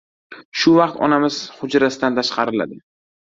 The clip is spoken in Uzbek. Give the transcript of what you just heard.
Shu vaqt onamiz hujrasidan tashqariladi.